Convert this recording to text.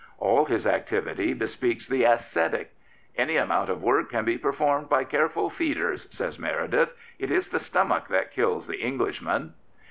All this activity bespeaks the ascetic. " Any amount of work can be performed by careful feeders," says Meredith; "it is the stomach that kills the Englishman."